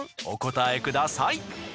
お答えください。